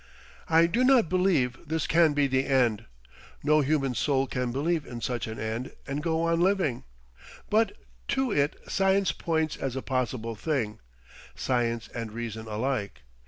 I do not believe this can be the end; no human soul can believe in such an end and go on living, but to it science points as a possible thing, science and reason alike.